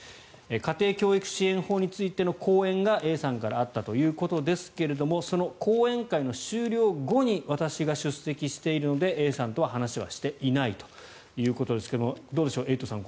家庭教育支援法についての講演がＡさんからあったということですがその講演会の終了後に私が出席しているのでＡさんとは話はしていないということですがどうでしょう、エイトさん